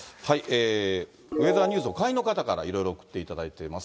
ウェザーニューズの会員の方からいろいろ送っていただいています。